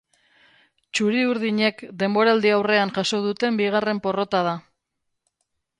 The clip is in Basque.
Txuri-urdinek denboraldiaurrean jaso duten bigarren porrota da.